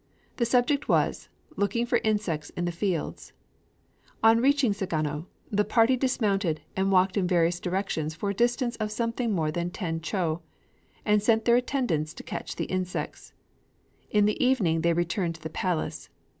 The subject was, Looking for insects in the fields. On reaching Sagano, the party dismounted, and walked in various directions for a distance of something more than ten chō, and sent their attendants to catch the insects. In the evening they returned to the palace.